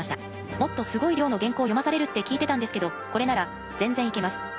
もっとすごい量の原稿を読まされるって聞いてたんですけどこれなら全然いけます。